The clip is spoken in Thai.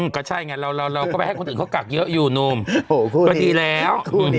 ก็ใช่ไงเราก็ไปให้คนอื่นเขากักเยอะอยู่หนุ่มก็ดีแล้วก็